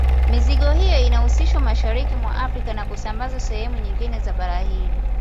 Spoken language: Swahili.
Mizigo hiyo inashushwa mashariki mwa Afrika na kusambazwa sehemu nyingine za bara hili